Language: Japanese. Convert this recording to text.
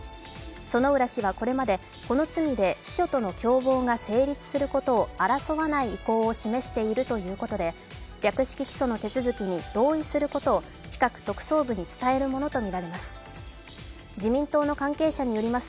薗浦氏はこれまでこの罪で秘書との共謀が成立することを争わない意向を示しているということで略式起訴の手続きに同意することを近く特捜部に伝えるものとみられます。